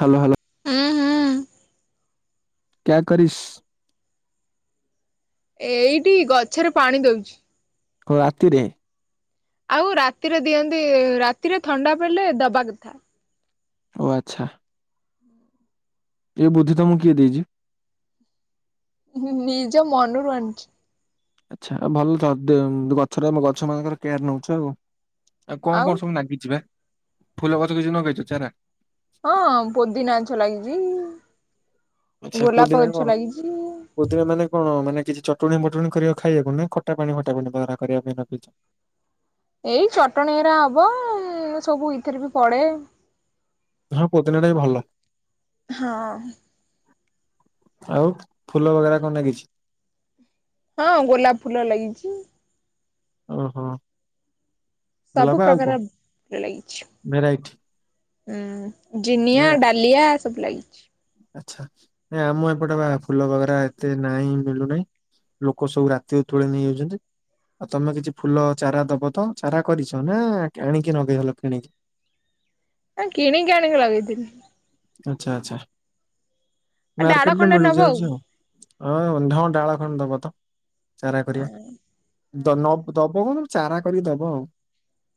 Hello hello. ହୁଁ ହୁଁ କ୍ୟା କରିସ୍? ଏଇଠି ଗଛରେ ପାଣି ଦଉଚି। କ ରାତିରେ। ଆଉ ରାତିରେ ଦିଅନ୍ତି ରାତିରେ ଥଣ୍ଡା ପଇଲେ ଦବା କଥା। ଓ ଆଚ୍ଛା। ଏ ବୁଦ୍ଧି ତମକୁ କିଏ ଦେଇଚି? ହୁଁ ହୁଁ ନିଜ ମନରୁ ଆଣିଚି। ଆଚ୍ଛା ଆଉ ଭଲ ତ [unintelligible] ଗଛର ଆମ ଗଛ ମାନଙ୍କର କେୟାର ନଉଛ ଆଉ। ଆଉ କଣ କଣ ସବୁ ନାଗିଛି ବା ଫୁଲ ଗଛ କିଛି ନଗେଇଛ ଚାରା? ହଁ ପୋଦିନା ଗଛ ଲାଗିଚି ଆଚ୍ଛା ପୋଦିନା ଗୋଲାପ କଣ? ଗଛ ଲାଗିଚି। ପୋଦିନା ମାନେ କଣ ମାନେ କିଛି ଚଟୁଣି ବଟୁଣି କରିବାକୁ ଖାଇବାକୁ ନା ଖଟା ପାଣି ଫଟା ପାଣି ଗରା କରିବା ପାଇଁ ରଖିଛ? ଏଇ ଚଟଣି ଏରା ହବ ଉଁ ସବୁ ଇଥିରେ ବି ପଡେ। ହଁ ପୋଦନା ଟା ବି ଭଲ। ହଁ। ଆଉ ଫୁଲ ବଗେରା କଣ ନାଗିଛି? ହଁ ଗୋଲାପ ଫୁଲ ଲାଗିଚି। ଓହୋ। ସବୁ ଗୋଲାପ ଆଉ ପ୍ରକାର କଣ ଫୁଲ ଲାଗିଛି। ଭେରାଇଟି? ହୁଁ ନା ଜିନିଆ, ଡାଲିଆ ସବୁ ଲାଗିଚି। ଆଚ୍ଛା ନା ଆମ ଏପଟେ ବା ଫୁଲ ବଗେରା ଏତେ ନାଇଁ ମିଳୁନାଇଁ। ଲୋକ ସବୁ ରାତି ରୁ ତୋଳି ନେଇ ଯାଉଚନ୍ତି। ଆଉ ତମେ କିଛି ଫୁଲ ଚାରା ଦବ ତ ଚାରା କରିଛ ନା ଆଣିକି କିଣିକି ନଗେଇଦଲ କିଣିକି? ଏ କିଣିକି ଆଣିକି ଲଗେଇଥିଲିି। ଆଚ୍ଛା ଆଚ୍ଛା ଆଉ ଡାଳ ମାର୍କେଟେରେ ଖଣ୍ଡେ ମିଳି ନବ ଯାଉଛି ଆଉ। ହଁ ହଁ ଡାଳ ଖଣ୍ଡେ ଦବ ତ ଚାରା କରିବା ହଁ ଦ ନ ଦବ କଣ ଚାରା କରି ଦବ ଆଉ।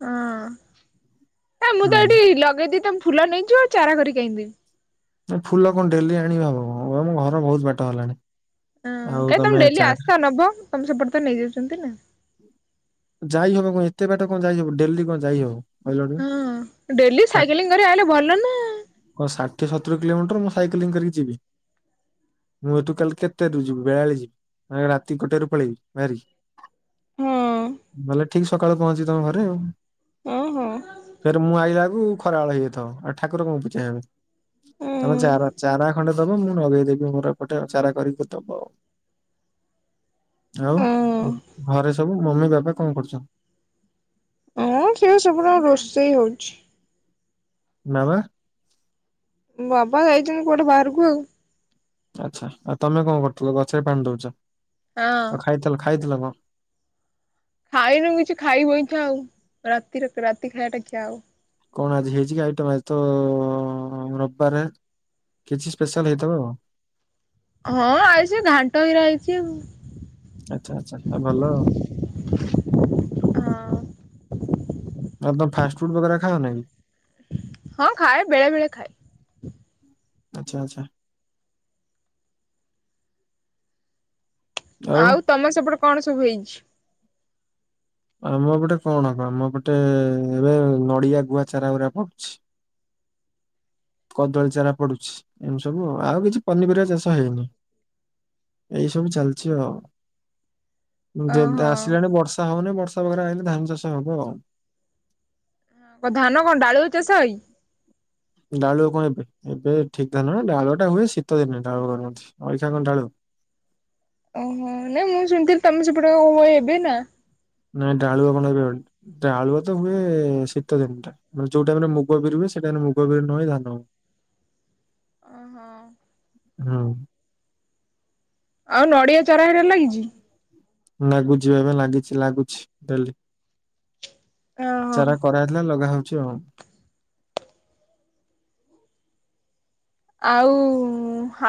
ହଁ ଏ ମୁଁ ତ ହୁଁ ଏଇଠି ଲଗେଇଦେବି ତମେ ଫୁଲ ନେଇଯିବ ଆଉ ଚାରା କରିକି କାଇଁ ଦେବି? ଏ ଫୁଲ କଣ ଡେଲି ଆଣିହବ ମୋ ଘର ବହୁତ ବାଟ ହେଲାଣି। ହଁ ଆଉ କାଇ ତମେ ଡେଲି ଚାରା ଆସ ନବ ତମ ସେପଟେ ତ ନେଇଯାଉଛନ୍ତି ନା। ଯାଇ ହବ କଣ ଏତେ ବାଟ କଣ ଯାଇ ହବ ଡେଲି କଣ ଯାଇ ହବ? କହିଲ ଟିକେ? ହୁଁ ଡେଲି ଷା- ସାଇକେଲିଙ୍ଗ କରି ଆଇଲେ ଭଲ ନା। କଣ ଷାଠିଏ, ସତୁରୀ କିଲୋମିଟର ମୁଁ ସାଇକେଲିଙ୍ଗ କରିକି ଯିବି। ମୁଁ ଏଠୁ ତାହେଲେ କେତେରୁ ଯିବି ବେଳା ବେଳି ଯିବି ନା ରାତି ଗୋଟେରୁ ପଳେଇବି ବାହାରିକି? ହଁ ଵଲେ ଠିକ୍ ସକାଳେ ପହଞ୍ଚିବି ତମ ଘରେ ଆଉ। ଉଁ ହୁଁ। ଫେର ମୁଁ ଆଇଲା ବେଳକୁ ଖରାବେଳ ହେଇଯାଇଥିବ ଆଉ ଠାକୁର କଣ ପୂଜା ହେବେ। ଉଁ ତମେ ଚାରା ଚାରା ଖଣ୍ଡେ ଦବ ମୁଁ ନଗେଇଦବି ମୋର ଏପଟେ ଚାରା କରିକି ଦବ। ଆଉ ଉଁ। ଘରେ ସବୁ ମମି, ବାବା କଣ କରୁଛନ୍ତି? ହଁ ସେ ସେପଟେ ରୋଷେଇ ହଉଛି। ବାବା। ବାବା ଯାଇଛନ୍ତି କୁଆଡ଼େ ବାହାରକୁ ଆଉ। ଆଚ୍ଛା ଆଉ ତମେ କଣ କରୁଥିଲ ଗଛରେ ପାଣି ଦଉଚ? ହଁ ଆଉ ଖାଇଥିଲ ଖାଇଥିଲ କଣ? ଖାଇନୁ କିଛି ଖାଇବୁ ଏଇ ଖୁଆଁ ଆଉ ରାତି ରେ ରାତି ଖାଇବା ଟା ଖିଆ ହବ। କଣ ଆଜି ହେଇଛି କି ଆଇଟମ ଆଜି ତ ରବାରେ କିଛି ସ୍ପେଶାଲ ହେଇଥିବ। ହଁ ଆଜି ସେ ଘାଣ୍ଟ ହେରା ହେଇଛି। ଆଚ୍ଛା ଆଚ୍ଛା ଏ ଭଲ ଆଉ। ହଁ ଆଉ ତମେ ଫାଷ୍ଟଫୁଡ ବଗେରା ଖାଅ ନା କି? ହଁ ଖାଏ ବେଳେ ବେଳେ ଖାଏ। ଆଚ୍ଛା ଆଚ୍ଛା। ଆଉ ତମ ସେପଟେ କଣ ସବୁ ହେଇଛି? ଆମ ଏପଟେ କଣ କ ଆମ ଏପଟେ ଏବେ ନଡ଼ିଆ ଗୁଆ ଚାରା ଗୁରା ପଡ଼ୁଛି। କଦଳୀ ଚାରା ପଡ଼ୁଛି ଏମିତି ସବୁ ଆଉ କିଛି ପନିପରିବା ଚାଷ ହେଇନି। ଏଇ ସବୁ ଚାଲିଛି ଆଉ। ଉଁ ଯେ ଦାସ ଓହୋ। ଆସିଲାଣି ବର୍ଷା ହଉନି ବର୍ଷା ବାଗେରା ଆଇଲେ ଧାନ ଚାଷ ହବ ଆଉ। କଣ ଧାନ କଣ ଡାଳୁଚ [unintelligible] ଡାଳୁ କଣ ଏବେ ଏବେ ଠିକ୍ ଧାନ ଡାଳୁଆ ଟା ହୁଏ ଶୀତ ଦିନେ ଡାଳୁ କରନ୍ତି କଣ ଏଇ [unintelligible] କଣ ଡାଳୁ? ଓହୋ ନାଇଁ ମୁଁ ଶୁଣିଥିଲି ତମେ ସେପଟ ହୁଏ ଏବେ ନା। ନାଇଁ ଡାଳୁଆ ବଣ ଏବେ ହୁଏନି ଡାଳୁଆ ତ ହୁଏ ଶୀତ ଦିନ ଟା। ମାନେ ଯୋଉ ଟାଇମ୍ ରେ ମୁଗ ବିରି ହୁଏ ସେଇ ଟାଇମ ରେ ମୁଗ ବିରି ନ ହେଇ ଧାନ। ଅଁ ହଁ। ହୁଁ। ଆଉ ନଡ଼ିଆ ଚାରା ହେରିକା ଲାଗିଛି? ଲାଗୁଛି ବା ଏବେ ଲାଗିଛି ଲାଗୁଛି ଡେଲି। ଓହୋ ଚାରା କରା ହେଇଥିଲା ଲଗା ହୋଉଛି ଆଉ। ଆଉ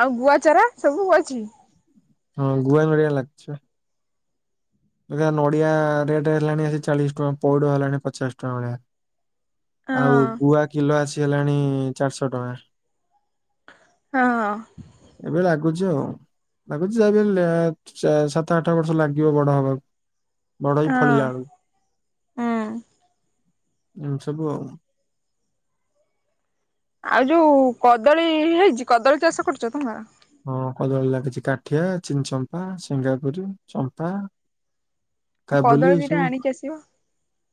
ଆଉ ଗୁଆଚାରା ସବୁ [unintelligible] ଇଛି? ହଁ ଗୁଆ ନଡ଼ିଆ ଲାଗୁଛି ବା। ଏଇ [unintelligible] ନଡ଼ିଆ ରେଟ ହେଲାଣି ଆସି ଚାଳିଶ ଟଙ୍କା ପଇଡ଼ ହେଲାଣି ପଚାଶ ଟଙ୍କା ଭଳିଆ। ଆଉ ହଁ ଗୁଆ କିଲୋ ଆସି ହେଲାଣି ଚାରିଶହ ଟଙ୍କା। ହଁ। ଏବେ ଲାଗୁଛି ଆଉ। ଲାଗୁଛି ଯାହାବି ହେଲେ [unintelligible] ଚା ସାତ ଆଠ ବର୍ଷ ଲାଗିବ ବଡ଼ ହବାକୁ। ବଡ଼ ହେଇ ହଁ ଫଳିଲା ବେଳକୁ ହୁଁ। ଏମିତି ସବୁ ଆଉ। ଆଉ ଯୋଉ କଦଳୀ ହେଇଛି କଦଳୀ ଚାଷ କରୁଛ ତମର? ହଁ କଦଳୀ ଲାଗିଛି କାଠିଆ ଚିନଚମ୍ପା ସିଙ୍ଗାପୁରି ଚମ୍ପା। ଆଉ କଦଳୀ କାବୁଲି ଏ ଦିଟା ସବୁ। ଆଣିକି ଆସିବ।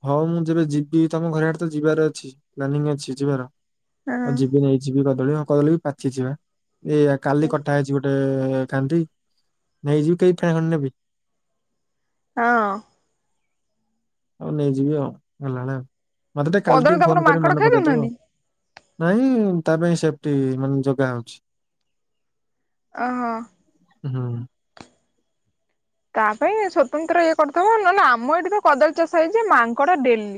ହଉ ମୁଁ ଯେବେ ଯିବି ତମ ଘର ଆଡ଼େ ତ ଯିବାର ଅଛି ପ୍ଲାନିଂ ଅଛି ଯିବାର। ହଁ ହଉ ଯିବି ଯଦି ନେଇ ଯିବି କଦଳୀ ଆଉ କଦଳୀ ବି ପାଚିଚି ବା ଏ ଆ କାଲି କଟା ହେଇଛି ଗୋଟେ କାନ୍ଧି ନେଇଯିବି କେଇ ଫେଣା ଖଣ୍ଡେ ନେବି? ହଁ। ହୋଉ ନେଇଯିବି ଆଉ ଗଲାବେଳେ ଆଉ ମତେ ଟିକେ କାଲି କଦଳୀ ଟିକେ ତମର ଫୋନ କରି ମାଙ୍କଡ ମନେ ଖାଇ ପକେଇଦବ ଦଉନାହାନ୍ତି? ଆଉ। ନାହିଁ ତା ପାଇଁ ସେଫ୍ଟି ମାନେ ଜଗା ହୋଉଛି। ଆହଁ। ହୁଁ। ତା ପାଇଁ ସ୍ୱତନ୍ତ୍ର ଇଏ କରିଥିବ ନହେଲେ ଆମ ଏଇଠି ତ କଦଳୀ ଚାଷ ହେଇଛି ମାଙ୍କଡ଼ ଡେଲି।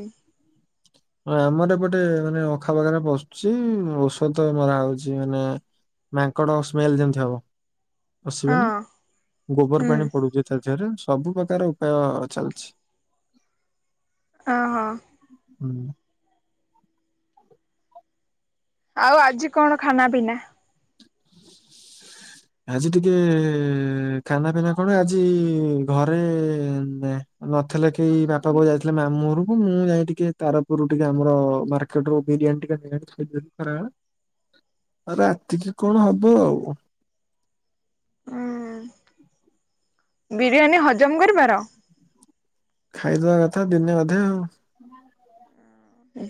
ହଁ ଆମର ଏପଟେ ମାନେ ଅଖା ବଖାରେ ପଶୁଛି ଔଷଧ ମରା ହଉଛି ମାନେ ମାଙ୍କଡ଼ ସ୍ମେଲ ଯେମିତି ହବ। ହଁ ପସିବେନି ଗୋବର ହୁଁ। ପାଣି ପଡ଼ୁଛି ତା ଦେହରେ ସବୁ ପ୍ରକାର ଉପାୟ ଚାଲିଛି। ଆ ହଁ। ହୁଁ। ଆଉ ଆଜି କଣ ଖାନା ପିନା? ଆଜି ଟିକେ ଖାନା ପିନା କଣ ଆଜି ଘରେ ଏନ୍ ଏଁ ନଥିଲେ କେହି ବାପା ବୋଉ ଯାଇଥିଲେ ମାମୁଁ ଘରକୁ ମୁଁ ଯାଇ ଟିକେ ତାରପୁରରୁ ଟିକେ ଆମର ମା ସେଠୁବିରିୟାନ୍ତି ଟିକେ ଖାଇଥିଲି ଖରାବେଳେ ଆଉ ରାତିକି କଣ ହବ ଆଉ। ଉଁ ବିରିୟାନୀ ହଜମ କରିପାର? ଖାଇଦବା କଥା ଦିନେ ଅଧେ ଆଉ। ହୁଁ [unintelligible]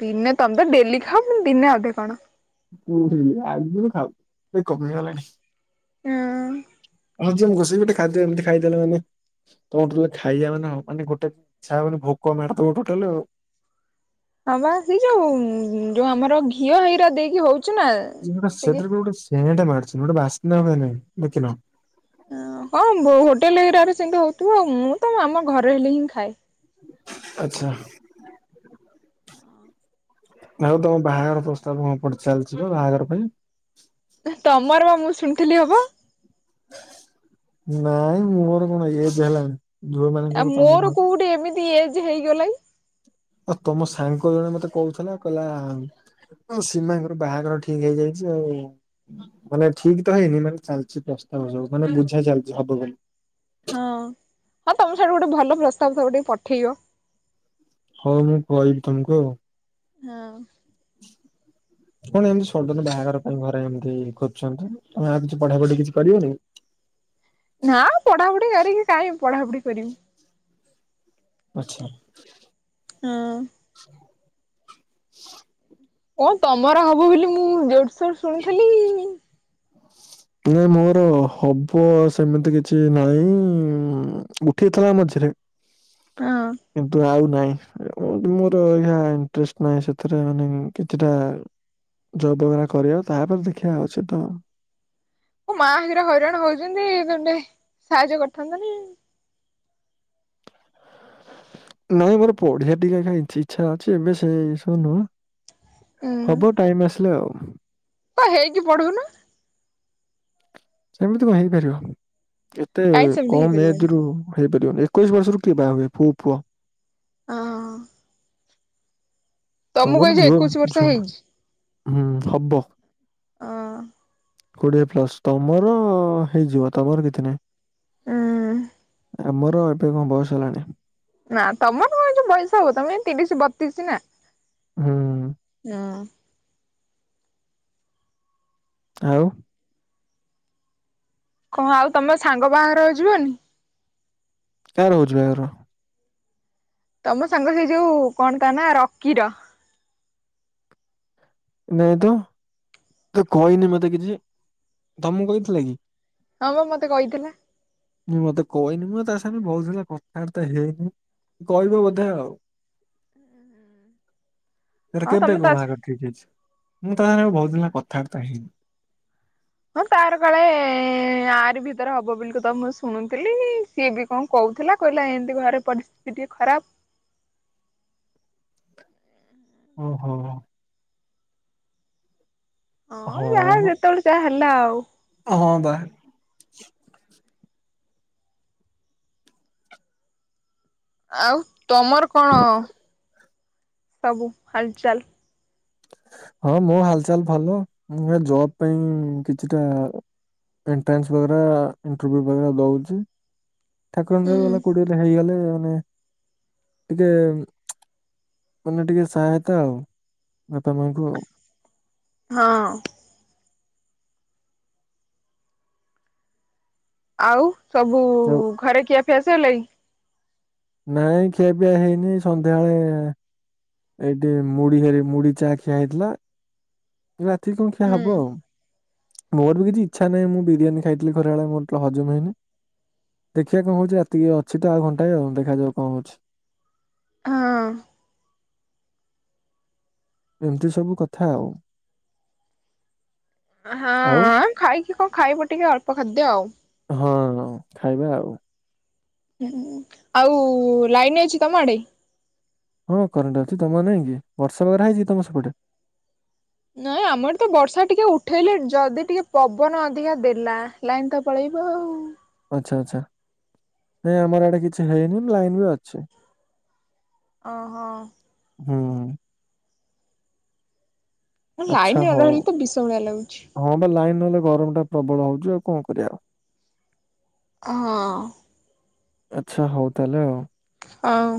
ଦିନେ ତମେ ଡେଲି ଖାଅ ଦିନେ ଅଧେ କଣ। ଉଁ ଉଁ ଆଗରୁ ଖାଉଥିଲି ସେ କମିଗଲାଣି। ହୁଁ। ହଉଁ ଘୋେଇ ଗଟେ ଖାଦବ ଏମିତି ଖାଇଦେଲମାନେ [unintelligible] ବୋଧହୁଏ ଖାଇବା ମାନେ ମାନେ ଗୋଟେ ତା ବୋଲି ଭୋକ ମାରିଦେବ ଟୋଟାଲ ଆଉ। ହଁ ବା ସେଇ ଯୋଉ ଯୋଉ ଆମର ଘିଅ ହଇରା ଦେଇକି ହଉଛି ନା। ଟିକେ ସେଥିରେ ଗୋଟେ ସେଣ୍ଟ ମାରିଛି ଗୋଟେ ବାସ୍ନା ହୁଏ ନାହିଁ ଦେଖିନ। ହଁ ହୋଟେଲ ଏରିଆରେ ସେମିତି ହଉଥିବ ଆଉ ମୁଁ ତ ଆମ ଘରେ ହେଲି ହିଁ ଖାଏ। ଆଚ୍ଛା। ଆଉ ତମ ବାହାଘର ପ୍ରସ୍ତାବ କଅଁ କୁଆଡ଼େ ଚାଲିଛି ବା ବାହାଘର ପାଇଁ। ତମର ମୁଁ ଶୁଣିଥିଲି ହବ। ନାଇଁ ମୋର କଣ ଇଏ ଯେ ହେଲଣିି। ଆଉ ମୋର କୋଉଠି ଏମିତି ଏଜ ହେଇଗଲାଣି। ଆଉ ତମ ସାଙ୍ଗ ଜଣେ ମତେ କହୁଥିଲା କହିଲା ଆ ସୀମାଙ୍କର ବାହାଘର ଠିକ ହେଇଯାଇଛି ଆଉ ମାନେ ଠିକ ତ ହେଇନି ମାନେ ଚାଲିଛି ପ୍ରସ୍ତାବ ସବୁ ମାନେ ବୁଝା ଚାଲିଛି ହବ ବୋଲି। ହଁ ହଁ ତମ ସେଇଠୁ ଗୋଟେ ଭଲ ପ୍ରସ୍ତାବ ସବୁ ଟିକେ ପଠେଇବ। ହଁ ମୁଁ କହିବି ତମକୁ ଆଉ। ହଁ। କଣ ଏମିତି ସଡନ ବାହାଘର ପାଇଁ ଘରେ ଏମିତି ଖୋଜୁଛନ୍ତି ତମେ ଆଉ କିଛି ପଢା ପଢି କିଛି କରିବନି? ନା ପଢାପଢି କରିକି କାଇହିଁି ପଢ଼ାପଢି କରିବି। ଆଛା। ହୁଁ। ଓ ତମର ହବ ବୋଲି ମୁଁ ଜୋରସୋର୍ ଶୁଣିଥିଲି। ନାଇ ମୋର ହବ ସେମିତି କିଛି ନହିଁ ଉଠିଥିଲା ମଝିରେ ହଁ। କିନ୍ତୁ ଆଉ ନାଇଁ। କିନ୍ତୁ ମୋର ଆଜ୍ଞା ଇଣ୍ଟେଷ୍ଟ ନାହିଁ ସେଥିରେ ମାନେ କେତେଟା। ଚଉଦବଖରା କରିବା ତାପରେ ଦେଗୁଆ ଅଛି ତ। ମୋ ମା ହେଲା ହଇରାଣ ହଉଛନ୍ତି ତୁଟେ ସାହାଯ୍ୟ କରିଥାନ୍ତ ନା। ନାଇଁ ମୋର ପଢିଆ ଟିକେ କାହିଁ ଇଚ୍ଛା ଅଛି ଏବେ ସେ ଜିନିଷ ନୁହଁ। ହବ ଟାଇମ ଆସିଲେ ଆଉ। ହ ହେଇଟି ପଢୁନା। ସେମିତି କହଁ ହେଇପାରିବ ଏତେ କାହିଁ ସେମିତି କମ ହେଇପାରିବନି। ଏଜ ରୁ। ହେଇପାରିବନି ଏକୋଇଶ ବର୍ଷରୁ କିଏ ବାହା ହୁଏ କୋଉ ପୁଅ। ହଁ। ତମର ଏଇ ଯୋଉ ଝୁଥ ଏକୋଇଶି ବର୍ଷ ଛୁଆଉଡ଼ା ହେଇଛି। ହୁଁ ହବ। ହଁ। କୋଡିଏ ପ୍ଲସ ତମର ହେଇଯିବ ତମର କିଛି ନାହିଁ। ହୁଁ। ଆମର ଏବେ କଣ ବସ ହେଲାଣି। ନା ତମର କଣ ବୟସ ହବ ତମେ ତିରିଶ ବତିଶ ନା। ହୁଁ। ହଁ। ଆଉ। କଣ ଆଉ ତମ ସାଙ୍ଗ ବାହାଘରକୁ ଯିବନି? କାର ହଉଛି ବାହାଘର? ତମ ସାଙ୍ଗ ସେ ଯୋଉ କଣ ତା ନା ରକିର। ନାଇଁ ତ ତ କହିନି ମତେ କିଛି। ତମକୁ କହିଥିଲା କି? ହଁ ବା ମତେ କହିଥିଲା। ମତେ କହିନି ମ ତା ସାଙ୍ଗେ ବହୁଦିନି ହେଲା କଥାବାର୍ତ୍ତା ହେଇନି କହିବ ବୋଧେ ଆଉ। ସେଟା ହଁ କେମିତିଆ ତମେ କଣ ତା ବାହାଘର ଠିକ ହେଇଛି? ମୁଁ ତା ସାଙ୍ଗରେ ବୋହୁତ ଦିନ ହେଲା କଥାବାର୍ତ୍ତା ହେଇନି। ହଁ ତାର କାଳେ ଆରି ଭିତରେ ହବ ବୋଲି କି ତ ମୁଁ ଶୁଣୁଥିଲି। ସିଏ ବି କଣ କହୁଥିଲା କହିଲା ଏମିତି ଘରେ ପରିସ୍ଥିତି ଟିକେ ଖରାପ। ଓହୋ। ହଁ ଯାହା ଯେତେବେଳେ ଯାହା ହେଲା ଆଉ। ହଁ ବା। ଆଉ ତମର କଣ ସବୁ ହାଲ ଚାଲ? ହଁ ମୋ ହାଲଚାଲ ଭଲ। ମୁଁ ଜବ ପାଇଁ କିଛିଟା ଏଣ୍ଟ୍ରାନ୍ସ ବଗରା ଇଣ୍ଟରଭ୍ୟୁ ବା ଦଉଛି। ଠାକୁରଙ୍କର ଦୟାରୁ ହୁଁ। ଗଲା କୋଉଠି ଗୋଟେ ହେଇଗଲେ ମାନେ ଟିକେ ମାନେ ଟିକେ ସହାୟତା ଆଉ ବାପା ମାଙ୍କୁ। ହଁ। ଆଉ ସବୁ ଆଉ ଘରେ ଖିଆ ପିଆ ସଇଲାଣି? ନାଇଁ ଖିଆ ବିିଆ ହେଇନି ସନ୍ଧ୍ୟାବେଳେ ଏଇଠି ମୁଢି ହେ ମୁଢି ଚା ଖିଆ ହେଇଥିଲା। ରାତି କଣ ଖିଆ ହବ ଆଉ। ମୋର ବି କିଛି ଇଚ୍ଛା ନାହିଁ ବିୟାନୀ ଖାଇଥିଲି ଖରା ବଳେ ମୋର ତ ହଜମ ହେଇନି। ଦେଖିବା କଣ ହଉଛି ରାତିକି ଅଛି ତ ଆଉ ଘଣ୍ଟାଏ ଆଉ ଦେଖାଯାଉ କଣ ହଉଛି। ହଁ। ଏମିତି ସବୁ କଥା ଆଉ। ଆଉ ହଁ ଖାଇକି କଣ ଖାଇବ ଟିକେ ଅଳ୍ପ ଖାଦ୍ୟ ଆଉ। ହଁ ହଁ ଖାଇବା ଆଉ। ହୁଁ ଆଉ ଲାଇନ ଅଛି ତମ ଆଡେ? ହଁ କରେଣ୍ଟ ଅଛି ତମର ନାଇଁ କି ବର୍ଷା ବାଗରେ ହେଇଛି ତମ ସେପଟେ? ନାଇଁ ଆମର ତ ବର୍ଷା ଟିକେ ଉଠେଇଲେ ଯଦି ଟିକେ ପବନ ଅଧିକା ଦେଲା ଲାଇନ୍ ତ ପଳେଇବ ଆଉ। ଆଛା ଆଛା ଆମର ଏଆଡ଼େ କିଛି ହେଇନି ଲାଇନ ବି ଅଛି। ଓହୋ। ହୁଁ ହୁଁ। ହଁ ଲାଇନ ଆଚ୍ଛା ନ ହଉ। ରହିଲେ ତ ବିଷ ଭଳିଆ ଲାଗୁଛି। ହଁ ବା ଲାଇନ୍ ନହେଲେ ଗରମ ଟା ପ୍ରବଳ ହଉଚଛି ଆଉ କଣ କରିବା ଆଉ। ହଁ। ଆଛା ହଉ ତାହେଲେ ଆଉ। ହଉ।